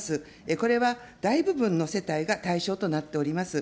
これは大部分の世帯が対象となっております。